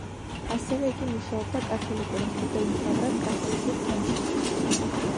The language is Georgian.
ასევე იგი მუშაობდა კათოლიკურ მღვდელმთავრად კათოლიკურ თემში.